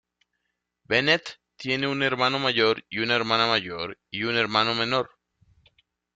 Bennett tiene un hermano mayor, una hermana mayor y un hermano menor.